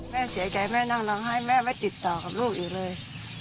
แม่เสียใจแม่นั่งร้องไห้แม่ไม่ติดต่อกับลูกอีกเลย